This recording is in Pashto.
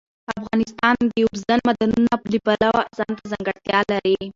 افغانستان د اوبزین معدنونه د پلوه ځانته ځانګړتیا لري.